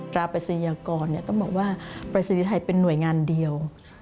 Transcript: ราปริศยากรต้องบอกว่าปรายศนีย์ไทยเป็นหน่วยงานเดียว